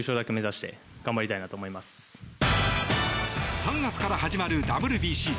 ３月から始まるＷＢＣ。